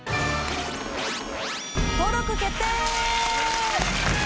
登録決定！